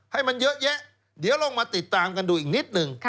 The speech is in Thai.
ให้มันเยอะแยะเดี๋ยวลองมาติดตามกันดูอีกนิดนึง